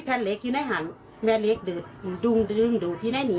แผ่นเล็กเดินดวงถึงแล้วตรงไหน